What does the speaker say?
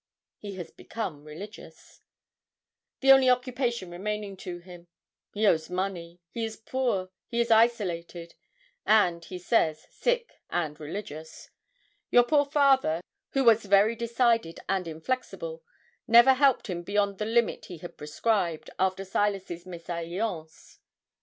'He has become religious.' 'The only occupation remaining to him. He owes money; he is poor; he is isolated; and he says, sick and religious. Your poor father, who was very decided and inflexible, never helped him beyond the limit he had prescribed, after Silas's mésalliance.